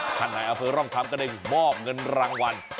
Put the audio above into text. คันไฮอาเฟอร์ร่องคำก็ได้มอบเงินรางวัล